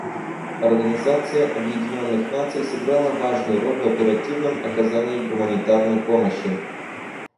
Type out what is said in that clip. Организация Объединенных Наций сыграла важную роль в оперативном оказании гуманитарной помощи.